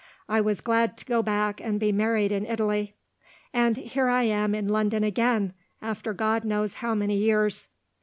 I was glad to go back and be married in Italy. And here I am in London again, after God knows how many years.